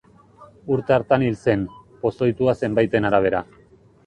Urte hartan hil zen, pozoitua zenbaiten arabera.